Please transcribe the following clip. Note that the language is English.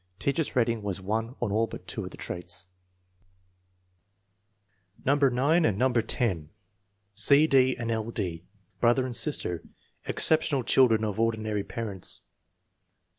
Teacher's rating was 1 on all but two of the traits. No. 9 and No. 10. C. D. and L. D. Brother and sister. Exceptional children of ordinary parents.